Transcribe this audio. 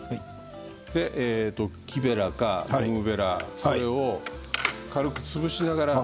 木べらか、ゴムべらで軽く潰しながら。